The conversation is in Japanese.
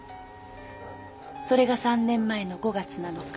それが３年前の５月７日。